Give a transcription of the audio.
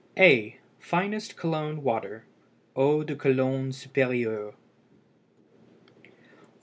A. FINEST COLOGNE WATER (EAU DE COLOGNE SUPÉRIEURE).